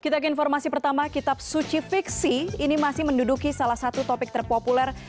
kita ke informasi pertama kitab suci fiksi ini masih menduduki salah satu topik terpopuler